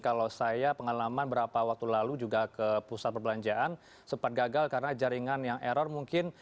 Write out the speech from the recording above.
kalau saya pengalaman berapa waktu lalu juga ke pusat perbelanjaan sempat gagal karena jaringan yang error mungkin